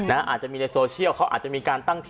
อาจจะมีในโซเชียลเขาอาจจะมีการตั้งที่